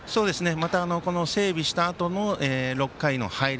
また、整備したあとの６回の入り。